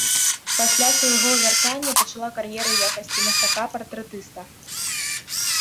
Пасля свайго вяртання пачалакар'еру ў якасці мастака-партрэтыста.